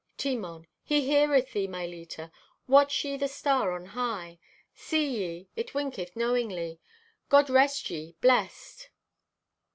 (Timon) "He heareth thee, my Leta. Watch ye the star on high. See ye, it winketh knowingly. God rest ye, blest."